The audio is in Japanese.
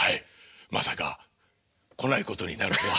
まさか来ないことになるとは。